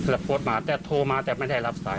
แล้วโพสต์มาแต่โทรมาแต่ไม่ได้รับสาย